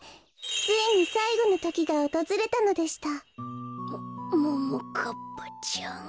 ついにさいごのときがおとずれたのでしたもももかっぱちゃん。